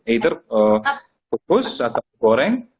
either kukus atau goreng